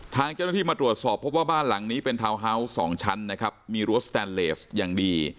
ทางเจ้าหน้าที่มาตรวจสอบพบว่าบ้านหลังนี้เป็นทาวน์ฮาวส์๒ชั้นนะครับมีรั้วสแตนเลสอย่างดี